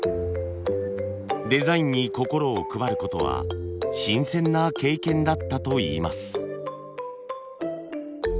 デザインに心を配ることは新鮮な経験だったといいます。